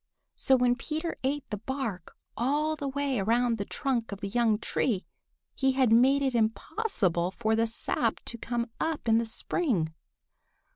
So when Peter ate the bark all the way around the trunk of the young tree, he had made it impossible for the sap to come up in the spring.